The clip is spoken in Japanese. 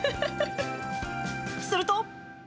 すると。